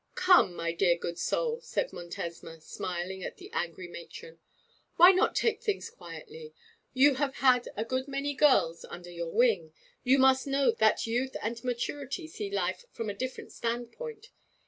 'Come, my dear good soul,' said Montesma, smiling at the angry matron, 'why not take things quietly? You have had a good many girls under your wing; and you must know that youth and maturity see life from a different standpoint.